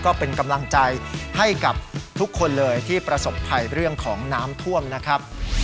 ก็เป็นกำลังใจให้กับทุกคนเลยที่ประสบภัยเรื่องของน้ำท่วมนะครับ